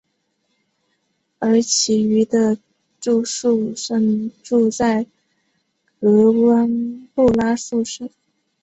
而其余的住宿生住在格湾布拉宿舍。